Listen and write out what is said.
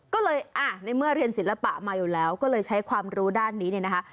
ก็เลยอ่ะในเมื่อเรียนศิลปะมาอยู่แล้วก็เลยใช้ความรู้ด้านนี้เนี่ยนะคะ